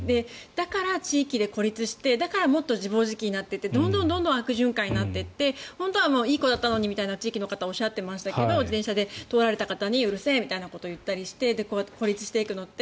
だから、地域で孤立してだからもっと自暴自棄になってってどんどん悪循環になっていって本当はいい子だったのにみたいに地域の方おっしゃってましたけど自転車で通られた方にうるせえみたいなことを言ったりして孤立していくのって